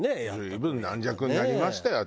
随分軟弱になりましたよ